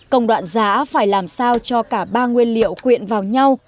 công đoạn giã phải làm sao cho cả ba nguyên liệu quyện vào nhau